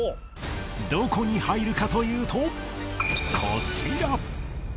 どこに入るかというとこちら！